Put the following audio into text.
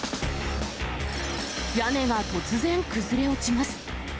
屋根が突然崩れ落ちます。